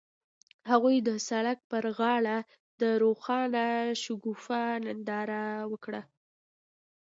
هغوی د سړک پر غاړه د روښانه شګوفه ننداره وکړه.